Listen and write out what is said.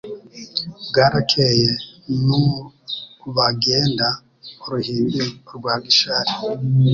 Bwarakeye nu bagenda Uruhimbi urwa Gishali